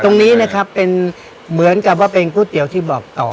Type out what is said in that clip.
ตรงนี้นะครับเป็นเหมือนกับว่าเป็นก๋วยเตี๋ยวที่บอกต่อ